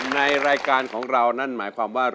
ในรายการของเรานั่นหมายความว่า